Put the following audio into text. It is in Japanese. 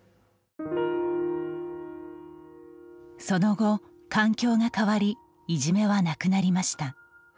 その後、環境が変わりいじめはなくなりました。